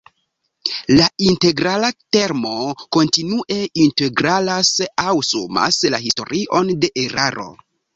La integrala termo kontinue integralas aŭ sumas la historion de eraro.